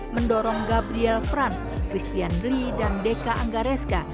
mendorong gabriel frans christian lee dan deka anggareska